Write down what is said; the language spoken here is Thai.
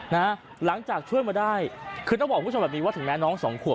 หลังจากช่วยมาได้คือต้องบอกคุณผู้ชมแบบนี้ว่าถึงแม้น้องสองขวบ